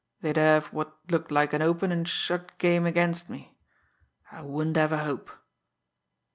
They'd have what looked like an open and shut game against me. I wouldn't have a hope."